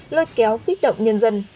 lôi kéo khuyết động nhân dân